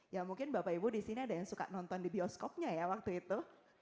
ya mungkin bapak ibu di sini ada yang suka nonton di bioskopnya ya waktu itu